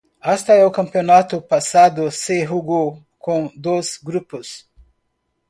Hasta el campeonato pasado se jugó con dos grupos.